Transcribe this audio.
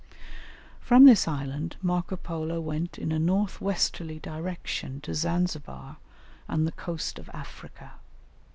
] From this island Marco Polo went in a north westerly direction to Zanzibar and the coast of Africa.